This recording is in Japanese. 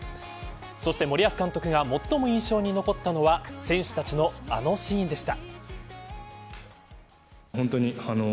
そして、森保監督が最も印象に残ったのは選手たちのあのシーンでした。